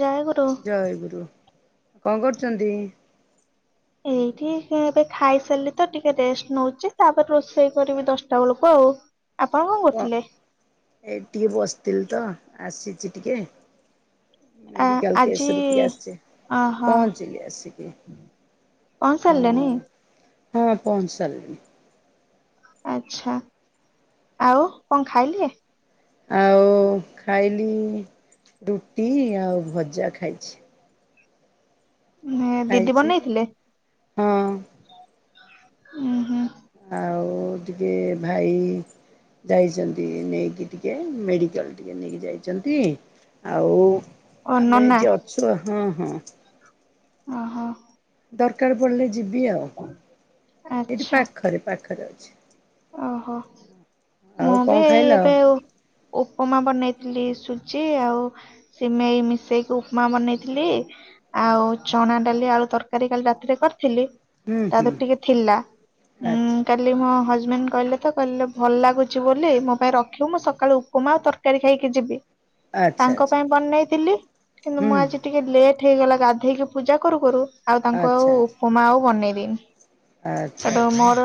ଜୟଗୁରୁ ଜୟଗୁରୁ କଣ କରୁଛନ୍ତି? ଏଇଠି ଏବେ ଖାଇସାରିଲି ତ ଟିକେ ରେଷ୍ଟ ନଉଛି ତାପରେ ରୋଷେଇ କରିବି ଦଶଟା ବେଳକୁ ଆଉ। ଓ। ଆଉ କଣ ଏଇଟି ଟିକେ ବସିଥିଲି ତ ଆସିଛି ଟିକେ। ଆ ମେଡିିକାଲ ଆଜି କେସରେ ଟିକେ ଆସଛି ପହଞ୍ଚିଲି ଆସିକି। ପହଞ୍ଚି ହଁ ସାରିଲଣି। ହଁ ପହଞ୍ଚି ସାରିଲିଣି। ଆଛା ଆଉ କଣ ଖାଇଲେ? ଆଉ ଖାଇଲି ରୁଟି ଆଉ ଭଜା ଖାଇଛି। ମ ଦିଦି ଖାଇଛି ବନେଇଥିଲେ? ହଁ। ଉୁଁ ହୁଁ। ଆଉ ଟିକେ ଭାଇ ଯାଇଛନ୍ତି ନେଇକି ଟିକେ ମେଡିକାଲ ଟିକେ ନେଇକି ଯାଇଛନ୍ତି ଆଉ। ଓ ଆମେ ନନା ଏଇଠି ଅଛୁ ହଁ ହଁ। ଓ ହୋ। ଦରକାର ପଡ଼ିଲେ ଯିବି ଆଉ, ଏଇଠି ପାଖରେ ପାଖରେ ଅଛି। ଓ ହୋ ଆଉ ମୁଁ ବି କଣ ଏଇ ଖାଇଲ? ଏବେ ଉପମା ବନେଇ ଥିଲି ସୁଜି ଆଉ ସିମେଇ ମିଶେଇକି ଉପମା ବନେଇଥିଲି। ଆଉ ଆଚ୍ଛା ଚଣା ଡାଲି ଆଳୁ ତରକାରୀ କାଲି ରାତିରେ କରି ଥିଲି ହୁଁ ତା ହୁଁ ଦେହେରେ ଟିକେ ଥିଲା ଉଁ ଆଚ୍ଛା କାଲି ମୋ ହ ମ୍ୟାମ କହିଲେ ତ କହିଲେ ଭଲ ଲାଗୁଛି ବୋଲି ମୋ ପାଇଁ ରଖିବୁ, ମୁଁ ସକାଳୁ ଉପମା ଆଉ ତରକାରୀ ଖାଇକି ଯିବି। ଆଚ୍ଛା ଆଚ୍ଛା ତାଙ୍କ ପାଇଁ ବନେଇଥିଲି କିନ୍ତୁ ମୁଁ ହୁଁ ଆଜି ଟିକେ ଲେଟ୍ ହେଇଗଲା। ଗାଧେଇକି ପୂଜା କରୁ କରୁ ଆଉ ତାଙ୍କୁ ଆଉ ଆଚ୍ଛା ଉପମା ଆଉ ବନେଇ ଦେଇନି। ଆଚ୍ଛା ଏବେ ଆଚ୍ଛା ମୋର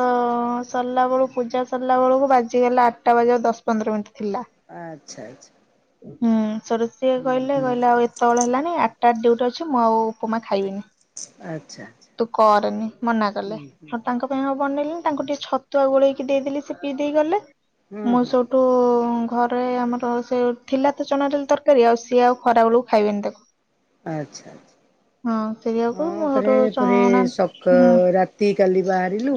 ସରିଲା ବେଳକୁ ପୂଜା ସରିଲା ବେଳକୁ ବାଜିଗଲା ଆଠଟା ବାଜିଆକୁ ଦଶ ପନ୍ଦର ମିନିଟ୍। ଥିଲା ଆଚ୍ଛା ଆଚ୍ଛା। ହୁଁ ସୋଉଟୁ ସେ ହୁଁ କହିଲେ ହୁଁ କହିଲେ ଆଉ ଏତେବେଳେ ହେଲାଣି ଆଠଟାରେ ଡିୟୁଟି ଅଛି ମୁଁ ଆଉ ଉପମା ଖାଇବିନି। ଆଚ୍ଛା ଆଚ୍ଛା ତୁ କରନି ମନା କଲେ ହୁଁ ହୁଁ ହଁ ତାଙ୍କ ପାଇଁ ହଉ ବନେଇଲିନି ତାଙ୍କୁ ଟିକେ ଛତ ତୁଆ ଗୋଳେଇକି ଦେଇଦେଲି ସେ ପିଇ ଦେଇ ଗଲେ ହଁ ମୁଁ ହଁ ସୋଉଟୁ ଘରେ ଆମର ସେ ଥିଲା ତ ଚଣାଡ଼ାଲି ତରକାରୀ ଆଉ ସିଏ ଆଉ ଖରା ବେଳକୁ ଖାଇବେନି ତାକୁ। ଆଚ୍ଛା ଆଚ୍ଛା। ହଁ ସେଇଆକୁ ହଁ ମୁଁ ପରେ ସେଇଠୁ ପୁରୀ ଚଣା ସକା ହୁଁ ରାତି କାଲି ବାହାରିଲୁ।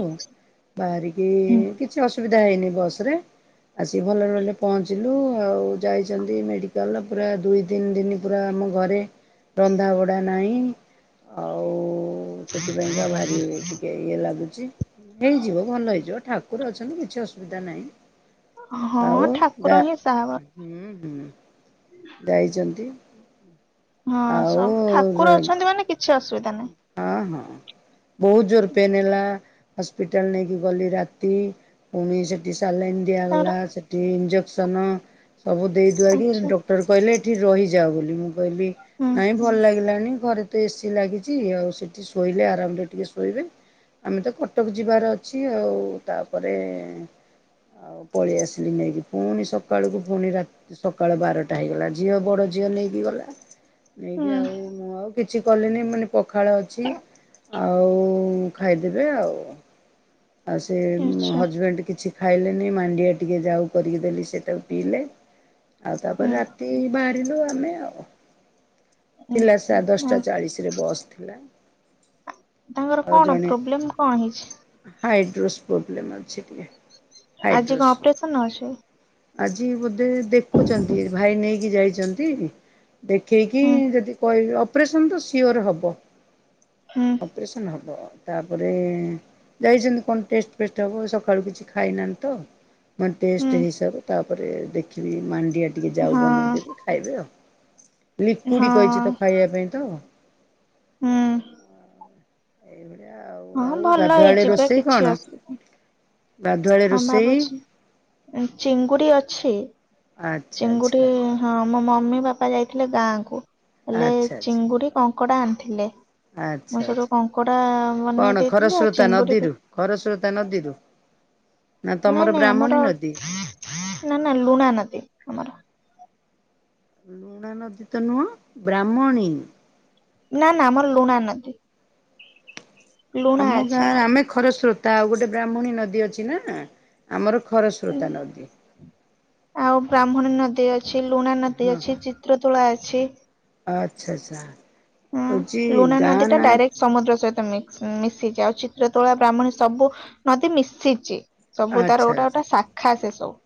ବାହାରିକି ହୁଁ କିଛି ଅସୁବିଧା ହେଇନି ବସରେ। ଆସିକି ଭଲରେ ଭଲରେ ପହଞ୍ଚିଲୁ ଆଉ ଯାଇଛନ୍ତି ମେଡିକାଲ ପୁରା ଦୁଇ ତିନି ଦିନ ପୁରା ଆମ ଘରେ ରନ୍ଧାବଢା ନାହିଁ। ଆଉ ସେଥିପାଇଁକା ଭାରି ଟିକେ ଇଏ ଲାଗୁଛି। ହେଇଯିବ ଭଲ ହେଇଯିବ ଠାକୁର ଅଛନ୍ତି କିଛି ଅସୁବିଧା ନାହିଁ। ହଁ ଆଉ ଠାକୁର ଗାଁ ହିଁ ସାହା ବା- ହୁଁ - ହୁଁ ଯାଇଛନ୍ତି। ହଁ ଆଉ ସବୁ ଠାକୁର ଅଛନ୍ତି ମାନେ କିଛି ଅସୁବିଧା ନାହିଁ ହଁ ହଁ ବହୁତ ଜୋର ପେନ୍ ହେଲା ହସ୍ପିଟାଲ ନେଇକି ଗଲି, ରାତି ପୁଣି ସେଠି ଚାଲେନ୍ ତାଙ୍କର ଦିଆଗଲା ସେଠି ଇଞ୍ଜେକ୍ସନ ସବୁ ଦେଇଦୁଆକି, ଆଚ୍ଛା ଡକ୍ଟର କହିଲେ ଏଠି ରହିଯା ବୋଲି, ମୁଁ କହିଲି ହୁଁ ନାଇଁ ଭଲ ହେଇଗଲାଣି, ଘରେ ତ ଏସିି ଲାଗିଛି ଆଉ ସେଠି ଶୋଇଲେ, ଆରାମରେ ଟିକେ ଶୋଇବେ ଆମେ ତ କଟକ ଯିବାର ଅଛି ଆଉ ତାପରେ ଆଉ ପଳେଇ ଆସିଲି ନେଇକି, ପୁଣି ସକାଳକୁ ପୁଣି ରାତି ସକାଳ ବାରଟା ହେଇଗଲା, ଝିଅ ବଡ ଝିଅ ନେଇକି ଗଲା। ନେଇକି ହୁଁ ଆଉ ମୁଁ ଆଉ କିଛି କଲିନି ମାନେ ପଖାଳ ଅଛି। ଆଉ ଖାଇଦେବେ ଆଉ, ଆଉ ସେ ଆଚ୍ଛା ହଜବେଣ୍ଡ କିଛି ଖାଇଲେନି, ମାଣ୍ଡିଆ ଟିକେ ଯାଉ କରିକି ଦେଲି ସେଟାକୁ ପିଇଲେ, ଆଉ ହୁଁ ତାପରେ ରାତି ବା ି [unintelligible] ଲୁ ଆମେ ଆଉ ହୁଁ ଥିଲା ସା ହଁ ଦଶଟା ଚାଳିଶ ରେ ବସ୍ ଥିଲା। ତାଙ୍କର ଆଉ କଣ ଜଣେ ପ୍ରୋବ୍ଲେମ କଣ ହେଇଛି? ହାଇଡ୍ରୋସ୍ ପ୍ରୋବ୍ଲେମ୍ ଅଛି ଟି ଆଜି କଣ ଅପରେସନ ଅଛି? ଆଜି ବୋଧେ ଦେଖୁଛନ୍ତି, ଭାଇ ନେଇକି ଯାଇଛନ୍ତି। ଦେଖେଇକି ହୁଁ ଯଦି କହିଵେ, ଅପରେସନ ତ ସିଓର ହବ ହୁଁ ଅପେରସନ ହବ, ତାପରେ ଯାଇଛନ୍ତି କଣ ଟେଷ୍ଟ ଫେଷ୍ଟ ହେବ, ସକାଳୁ କିଛି ଖାଇନାହାନ୍ତି ତ ମାନେ ହୁଁ ଟେଷ୍ଟ ହେଇସାରୁ ତାପ ତାପରେ ଦେଖିବି ମାଣ୍ଡିଆ ଟିକେ ଯାଉ ହଁ ବନେଇଦେବି ଖାଇବେ ଆଉ ହଁ ଲିକୁଡ଼ି କହିଛି ତ ଖାଇବା ପାଇଁ ତ ହୁଁ ଏଇ [inaudible] ହଁ ଭଲ ହେଇଯିବେ, କିଛି ଅସୁବିଧା ଗାଧୁଆଳେ ହଁ ରୋଷେଇ ଭାବୁଛି ଚିଙ୍ଗୁଡି ଅଛି। ଆଚ୍ଛା ଚିଙ୍ଗୁଡି, ଆଚ୍ଛା ଆଚ୍ଛା ହଁ ଆମ ମମି ବାପା ଯାଇଥିଲେ ଗାଁ କୁ ହେଲେ ଆଚ୍ଛା ଚିଙ୍ଗୁଡି କଙ୍କଡା ଆଣିଥିଲେ। ମୁଁ ଆଚ୍ଛା, ସେଠୁ ଆଛା, କଙ୍କଡା ବନେଇ କଣ ଦେଇଥିଲି ଆଉ ଖରସ୍ରୋତା ଚିଙ୍ଗୁଡି ବି ନଦୀରୁ, ଖରସ୍ରୋତା ନଦୀରୁ [inaudible] ନାଇଁ, ନାଇଁ, ବ୍ରାହ୍ମଣୀ ଆମର ନଦୀ? ନାଇ, ନା ଲୁଣା ନଦୀ ଆମର ଲୁଣା ନଦୀ ତ ନୁହଁ ବ୍ରାହ୍ମଣୀ ନା ନା ଆମର ଲୁଣା ନଦୀ ଲୁଣା ଆମ ଅଛି ଗାଁରେ ଆମର ଆମେ ଖରସ୍ରୋତା ଆଉ ଗୋଟେ ବ୍ରାହ୍ମଣୀ ନଦୀ ଅଛି ନା ଆମର ଖର ସ୍ରୋତା ନଦୀ ବ୍ରାହ୍ମଣ ନଦୀ ଅଛି ଲୁଣା ନଦୀ ହଁ ଅଛି ଚିତ୍ରତୋଳା ଅଛି ଆଚ୍ଛା ଆଚ୍ଛା ହଁ ହଉଛି ଲୁଣା ଗାଁ ନଦୀ ଟା ନା ଡାଇରେକ୍ଟ ସମୁଦ୍ର ସହିତ ମିଶିଛି ଆଉ ଚିତ୍ର ତୋଳା ବ୍ରାହ୍ମଣୀ ସବୁ ନଦୀ ମିଶିଛି ସବୁ ଆଚ୍ଛା ତାର ଗୋଟା ଆଚ୍ଛା ଗୋଟେ ଶାଖା ସେ ସବୁ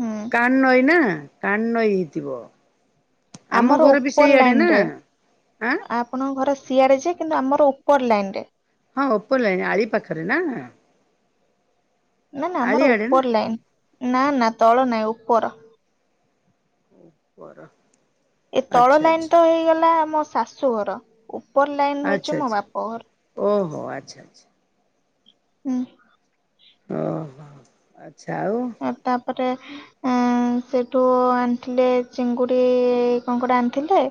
ହୁଁ କାନ ନଈ ନା, କାନ ନଈ ହେଇଥିବ। ଆମ ଆମର ଘର ବି ଉପର ସେଇଆଡେ ଲାଇନ ନା ରେ, ଆଁ ଆପଣଙ୍କ ଘରେ ସିଆରେ ଯେ କିନ୍ତୁ ଆମର ଉପର ଲାଇନ ରେ ହଁ ଉପର ଲାଇନ, ଆଳି ପାଖରେ ନା ନା, ନା, ଆମର ଆଳିଆଡେ ନା ଉପର ଲାଇନ ନା ନା ତଳ ନାଇଁ ଉପର ଉପର ଏ ତଳ ଲାଇନ ତ ହେଇଗଲା ଆମ ଶାଶୁଘର ଆଚ୍ଛା ୋ ଆଚ୍ଛା [unintelligible] ବାପ ଘର। ଓହୋ ଆଚ୍ଛା ଆଚ୍ଛା ଓହୋ ହୁଁ ଓହୋ, ଆଚ୍ଛା ଆଉ ତାପରେ ସେଠୁ ଆଣିଥିଲେ ଚିଙ୍ଗୁଡି କଣ କୋଟେ ଆଣିଥିଲେ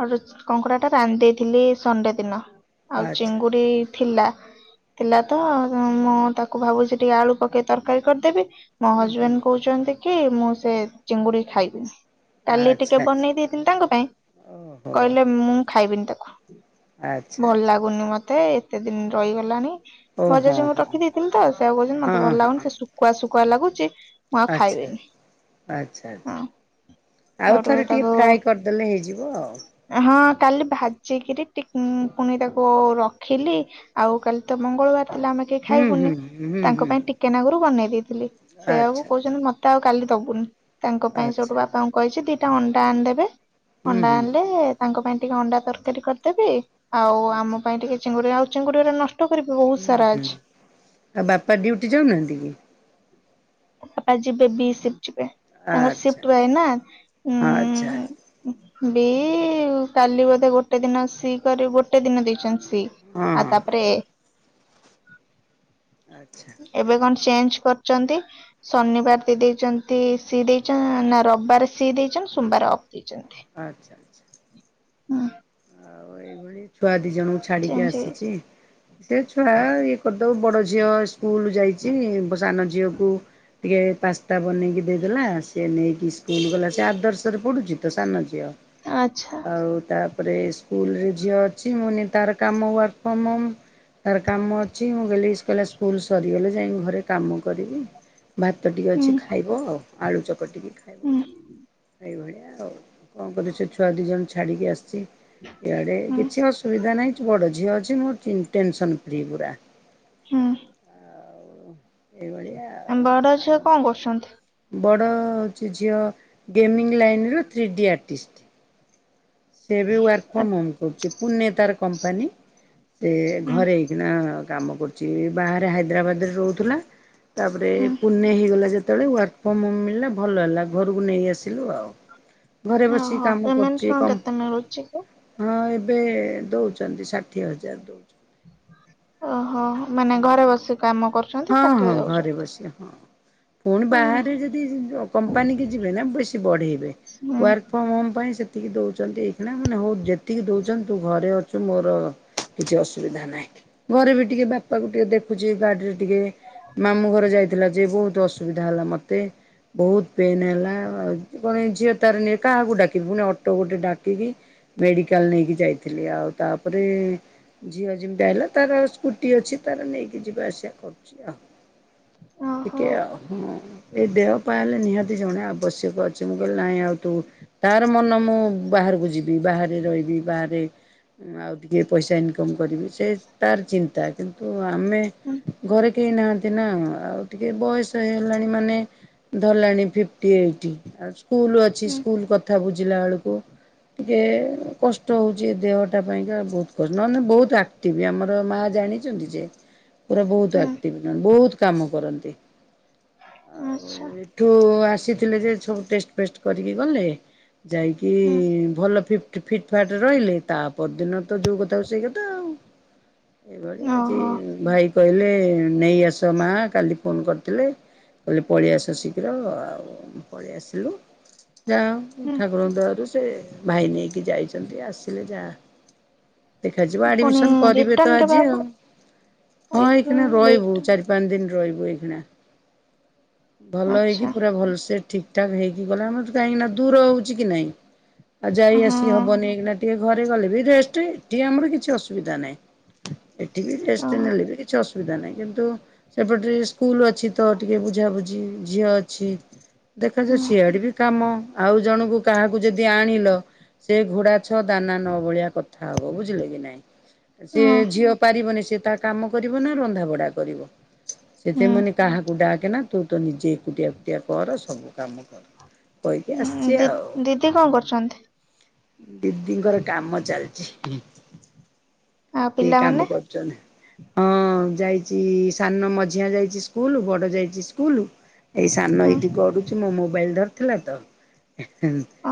ଆ କଙ୍କଡ଼ା ଟା ରାନ୍ଧି ଦେଇଥିଲି ସଢେ ଦିନ ଆଉ ଆଚ୍ଛା ଆଚ୍ଛା ଚିଙ୍ଗୁଡି ଥିଲା। ଥିଲା ତ ମୁଁ ତାକୁ ଭାବୁଛି, ଟିକେ ଆଳୁ ପକେଇ ତରକାରୀ କରିଦେବି। ମୋ ହୁଁ ହୁଁ ହଜବେଣ୍ଡ୍ କହୁଛନ୍ତି କି ମୁଁ ସେ ଚିଙ୍ଗୁଡି ଖାଇବି। କାଲି ଆଚ୍ଛା ଟିକେ ଆଚ୍ଛା ବନେଇ ଦେଇଥିଲି, ତାଙ୍କ ପାଇଁ ଓହୋ କହିଲେ ମୁଁ ଖାଇବିନି ତାକୁ। ଆଚ୍ଛା ଆଚ୍ଛା ଭଲ ଲାଗୁନି ମତେ, ଏତେ ଦିନ ରହିଗଲାଣି। ଓ ଭଜା ହଁ ଚୁଙ୍ଗୁଡି ହଁ ରଖିଦେଇଥିଲି ତ ସେଉ କହୁଛନ୍ତି ମତେ ଭଲ ହଁ ଲାଗୁନି ହଁ ସେ ଶୁଖୁଆ ଶୁଖୁଆ ଲାଗୁଛି। ମୁଁ ଆଉ ଆଚ୍ଛା ଖାଇବନି ଆଚ୍ଛା ଆଚ୍ଛା। ହଁ [unintelligible] ଆଉ ଘ ଥରେ ଟିକେ ତାକୁ ଫ୍ରାଏ କରିଦେଲେ ହେଇଯିବ ଆଉ ହଁ କାଲି ଭାଜିକରି ଟି ପୁଣି ତାକୁ ରଖିଲି, ଆଉ କାଲି ତ ମଙ୍ଗଳବାର ହେଲେ ଆମେ କେହି ହୁଁ ଖାଇବୁନି ହୁଁ ହୁଁ ତାଙ୍କ ହୁଁ। ପାଇଁ ଟିକେ ନଗରୁ ବନେଇ ଦେଇେଇଥିଲି, ସେଆକୁ ଆଚ୍ଛା କହୁଛନ୍ତି ମତେ ଆଉ କାଲି ଦବୁନି ତାଙ୍କ ପାଇଁ ଆଚ୍ଛା ଆଚ୍ଛା ସେଇଠୁ ବାପା ଙ୍କୁ କହିଛି ଦିଟା ଅଣ୍ଡା ଆଣିଦେବେ। ହୁଁ ଅଣ୍ଡା ହୁଁ ଆଣିଲେ ତାଙ୍କ ପାଇଁ ଟିକେ ଅଣ୍ଡା ତରକାରୀ କରିଦେବି ଆଉ ଆଚ୍ଛା ଆମ ପାଇଁ ଟିକେ ଚିଙ୍ଗୁଡ଼ି ଆଉ ଚିଙ୍ଗୁଡ଼ି ଗୁଡା ନଷ୍ଟ। କରିବି ବହୁତ ହୁଁ ସାରା ହୁଁ ଅଛି ଆଉ ବାପା ଡୁଟି ଯାଉନାହାନ୍ତି କି। ତାପା ଯିବେ ବି ସ [unintelligible] ତାଙ୍କର ଆଚ୍ଛା ସି୍ଫ୍ଟ ରହେ ନା। ଆଚ୍ଛା ଆଚ୍ଛା ବି କାଲି ବୋଧେ ଗୋଟେ ଦିନ ସି କରି ଗୋଟେ ଦିନ ଦେଇଛନ୍ତି। ହଁ ଆ ହଁ ତାପରେ ଆଚ୍ଛା। ଏବେ କଣ ଚେଞ୍ଜ୍ କରଛନ୍ତି, ଶନିବାର ଦେଇ ଆଚ୍ଛା ଦେଇଛନ୍ତି। ସି ଦେଇଛନ୍ତି ନା ରବିବାର ସି ଦେଇଛନ୍ତି ସୋମବାର ଅଫ୍। ଦେଇଛନ୍ତି। ଆଚ୍ଛା ଆଚ୍ଛା। ହୁଁ। ଆଉ ଏଇଭଳି ଛୁଆ ଦି ଜଣଙ୍କୁ ଛାଡିକି ଚେଞ୍ଜ ହେଇଯାଇଛି ଆସିଛି। ସେ ଛୁଆ ଇଏ କରିଦଉ, ବଡ ଝିଅ ସ୍କୁଲ ଯାଇଛି ସାନ ଝିଅକୁ ଟିକେ ପାସ୍ତା ବନେଇକି ଦେଇଦେଲା ସିଏ ନେଇକି ସ୍କୁଲ ଗଲା, ସେ ଆଦର୍ଶରେ ପଡ଼ୁଛି ତ ସାନ ଝିଅ ଆଚ୍ଛା ଆଉ ତା ତା ସ୍କୁଲରେ ଝିଅ ଅଛି ମୁନି ତାର କାମ ୱର୍କ ଫ୍ରମ୍ ହୋମ୍। ତାର କାମ ଅଛି ମୁଁ ଗଲି କହିଲା, ସ୍କୁଲ ସରିଗଲେ ଯାଇ ଘରେ କାମ କରିବି। ଭାତ ଟିକିେ ହୁଁ ଅଛି ଖାଇବ, ଆଉ ଆଳୁ ଚକ ଟିକେ ଖାଇବ ହୁଁ ଏଇଭଳିଆ। ଆଉ କଣ କରୁ, ସେ ଛୁଆ ଦି ଜଣ ଛାଡିକି ଆସିଛି। ଆଡେ ହୁଁ କିଛି ଅସୁବିଧା ନାହିଁ, ବଡ ଝିଅ ଅଛି ମୋ ଟେନ୍ ସନ୍ ଫ୍ରି ପୁରା। ହୁଁ। ଆଉ ଏଇଭଳିଆ ଆଉ ବଡା ଆଉ ଝିଅ କଣ କରୁଛନ୍ତି? ବଡ଼ ହେଉଛି ଝିଅ ଗେମିଙ୍ଗ ଲାଇନ୍ର ଥ୍ରୀ ଡି ଆର୍ଟିଷ୍ଟ। ସେ ବି ୱାର୍କ ଫ୍ରମ ହୋମ୍ କରୁଛି ପୁନେ ତାର କମ୍ପାନୀ ସେ ହୁଁ ଘରେ ଏଇକିନା କାମ କରୁଛି। ବାହାରେ ହାଇଦ୍ରାବାଦ୍ ରହୁଥିଲା ତାପରେ ହୁଁ ପୁନେ ହେଇଗଲା ଯେ ସେତେବେଳେ ୱାର୍କଫମ୍ ହୋମ୍ ମିଳିଲା ଭଲ ହେଲା। ଘରକୁ ନେଇ ଆସିଲୁ ଆଉ। ଘରେ ବସି କାମ କରୁଛି କମ୍ପା ଆଉ ଅଛି କି? ଏବେ ଦଉଛନ୍ତି। ଷାଠିଏ ହଜାର ଦଉଛନ୍ତି। ଓହୋ ମାନେ ଘରେ ବସି କାମ କରୁଛନ୍ତି। ହଁ ଷାଠିଏ ହଁ ଘରେ ଦଉଛନ୍ତି। ବସି ହଁ। ପୁଣି ହୁଁ ବାହାରେ ଯଦି କମ୍ପାନୀ କି ଯିବେ ନା ବେଶୀ ବଢେଇବେ। ହୁଁ ୱାର୍କ ଫ୍ରମ ହୋମ୍ ପାଇଁ ସେ ଏତିକି ଦଉଛନ୍ତି ଏଇଖଣା ମାନେ ହଉ ଯେତିକି ଦଉଛନ୍ତି ତୁ ଘରେ ଅଛୁ ମୋର କିଛି ଅସୁବିଧା ନାହିଁ। ଘରେ ବି ଟିକେ ବା ବାପାକୁ ଟିକେ ଦେଖୁଛି ଗାଡିରେ ଟିକେ ମାମୁଁ ଘରେ ଯାଇଥିଲା, ଯେ ବହୁତ ଅସୁବିଧା ହେଲା ମତେ। ବହୁତ ପେନ୍ ହେଲା ଆଉ କଣ ଝିଅ ତାର ନି କାହାକୁ ଡାକିବି ପୁଣି ଅଟୋ ଗୋଟେ ଡାକିକି ମେଡିକାଲ ନେଇକି ଯାଇଥିଲି ଆଉ ତାପରେ ଝିଅ ଯେମିତି ଆଇଲା ତାର ସ୍କୁଟି ଅଛି। ତାର ନେଇକି ଯିବା ଆସିବା କରୁଚି ଆଉ ଓହୋ ଟିକେ ହୁଁ। ଏଇ ଦେହ ପାହେଲେ ନିହାତି ଜଣେ ଆବଶ୍ୟକ ଅଛି ମୁଁ କହିଲି ନାଇଁ ଆଉ ତୁ ତାର ମନ ମୁଁ ବା ବାହାରକୁ ଯିବି ବାହାରେ ରହିବି ବାହାରେ ଆଉ ଟିକେ ପଇସା ଇନକମ୍ କରିବି ସେ ତାର ଚିନ୍ତା କିନ୍ତୁ ଆମେ ହୁଁ ଘରେ ନାହାନ୍ତି ନା ଆଉ ଟିକେ ବୟସ ହେଇଗଲାଣି ମାନେ ଧରଲାଣି ଫିପ୍ଟି ଏଇଟି ଆଉ ସ୍କୁଲ ଅଛି ହୁଁ ସ୍କୁଲ କଥା ବୁଝିଲା ବେଳକୁ ଟିକେ କଷ୍ଟ ହଉଚି ଦେହଟା ପାଇଁକା ବହୁତ କଷ୍ଟ ନହେଲେ ବହୁତ ଆକ୍ଟିଭ ଆମର ମା ଜାଣି ଚନ୍ତି ଯେ ପୁରା ବହୁତ ହୁଁ ଆକଟିଭ ବହୁତ କାମ କରନ୍ତି। ଆଚ୍ଛା। ଥିଲେ ଯେ ସବୁ ଟେଷ୍ଟ ଫେଷ୍ଟ କରିକି ଗଲେ ଯାଇକି ହୁଁ ଭଲ ଫି ଫିଟ୍ ଫାଟ୍ ରହିଲେ ତା ପର ଦିନ ତ ଯୋଉ କଥା କୁ ସେଇ କଥା ଆଉ। ଏଇଭଳି ଆଜି ଓହୋ ଭାଇ କହିଲେ ନେଇ ଆସ ମା କାଲି ଫୋନ୍ କରିଥିଲେ। କହିଲେ ପଳେଇ ଆସ ଶୀଘ୍ର ଆଉ ପଳେଇ ଆସିଲୁ। ଯା ହୁଁ ଠାକୁରଙ୍କ ଦୟାରୁ ସେ ଭାଇ ନେଇକି ଯାଇଛନ୍ତି ଆସିଲେ ଯା ଦେଖାଯିବ ପୁଣି ଆଡ଼ମିଶନ କରିବେ ତ ରିଟର୍ଣ କେବେ ଆଜି ହବ ଆଉ। ହଁ ଏଇଖିନା ରିଟର୍ଣ ରହିବୁ ରିଟର୍ଣ ଚାରି ପାଞ୍ଚ ଦିନ ରହିବୁ ଏଇଖିଣା ଭଲ ହେଇକି ଆଚ୍ଛା ପୁରା ଭଲସେ ଠିକ୍ ଠାକ୍ ହେଇକି ଗଲା ଆମର କାହିଁକିନା ଦୂର ହଉଚି କି ନାଇଁ ଆଉ ଯାଇ ହଁ ଆସି ହବନି ଏଇ ଟିକେ ଘରେ ଗଲେ ବି ରେଷ୍ଟ ଏଠି ଆମର କିଛି ଅସୁବିଧା ନାହିଁ। ଏଠି ବି ରେଷ୍ଟ୍ ଓହୋ ନେଲେ ବି କିଛି ଅସୁ ସୁବିଧା ନାହିଁ କିନ୍ତୁ ସେପଟେ ସ୍କୁଲ ଅଛି ତ ଟିକେ ବୁଝାବୁଝି ଝିଅ ଅଛି। ଦେଖଯାଉ ହୁଁ ସିଆଡ଼େ ବି କାମ ଆଉ ଜଣକୁ କାହାକୁ ଯଦି ଆଣିଲ ସେ ଘଡ଼ା ମାଛ ଦାନା ନ ଭଳିଆ କଥା ହବ ବୁଝିଲେ କି ନାଇଁ ସେ ହଁ ଝିଅ ପାରିବନି ସେ ତା କାମ କରିବ ନା ରନ୍ଧା ବଢା କରିବ ହୁଁ ସେଥିପାଇଁ ମୁଁ କାହାକୁ ଡାକ କେ ନା ତୁ ତ ନିଜେ ଏକୁଟିଆ ଏକୁଟିଆ କର ସବୁ କାମ। କହିକି ହୁଁ ଆସିଚି ଦି ଆଉ। ଦିଦି କଣ କରୁଛନ୍ତି ଦିଦିଙ୍କର କାମ ଚାଲିଚି। ହଁ ପିଲା କାମ କରୁଚନ୍ତି। ହଁ ଯାଇଚି ସାନ ମଝିଆ ଯାଇଚି ସ୍କୁଲ ବଡ଼ ଯାଇଚି ସ୍କୁଲ। ଏଇ ସାନ ହୁଁ ଏଇଠି ଗଡ଼ୁଚି ମୋ ମୋବାଇଲ ଧରିଥିଲା ତ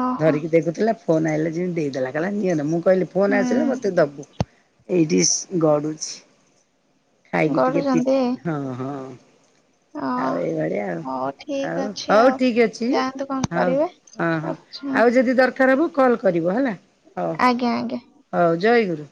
ଓହୋ ଧରିକି ଦେଖୁଥିଲା ଫୋନ୍ ଆଇଲା ଯେମିତି ଦେଇଦେଲା କଲା ନିଅନ ମୁଁ କିହିଲି ଫୋନ୍ ଆସିଲେ ମୋତେ ହୁଁ ଦବୁ ଏଇଠି ଗଡ଼ୁଚି ଖାଇକି ଟିକେ ପି ଗଡୁଛନ୍ତି ହଁ ହଁ। ଓ ଆଉ ଏଇ ଭଳିଆଉ। ହଉ ଠିକ ଆଉ ଅଛି ହଉ ଠିକ୍ ଅଛି ଯାଆନ୍ତୁ କଣ ହଉ କରିବେ ହଁ ହଁ ରଖୁଛି ଆଉ ଯଦି ଦର କାରାବୁ କଲ୍ କରିବ ହେଲା ହଉ ହଉ ଆଜ୍ଞା ଆଜ୍ଞା ହଉ ଜୟଗୁରୁ।